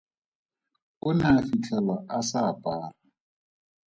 O ne a fitlhelwa a sa apara.